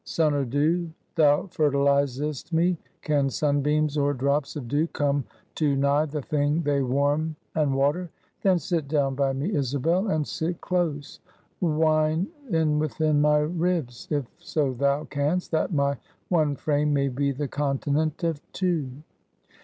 Sun or dew, thou fertilizest me! Can sunbeams or drops of dew come too nigh the thing they warm and water? Then sit down by me, Isabel, and sit close; wind in within my ribs, if so thou canst, that my one frame may be the continent of two."